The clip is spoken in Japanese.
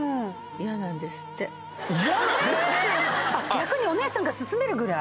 逆にお姉さんが薦めるぐらい。